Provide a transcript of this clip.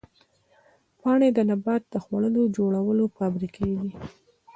پاڼې د نبات د خوړو جوړولو فابریکې دي